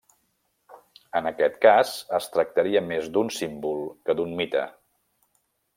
En aquest cas es tractaria més d'un símbol que d'un mite.